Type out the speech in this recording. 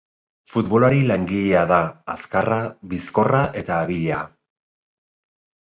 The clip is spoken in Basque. Futbolari langilea da, azkarra, bizkorra eta abila.